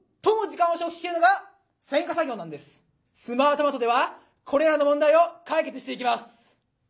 「スマートマト」ではこれらの問題を解決していきます。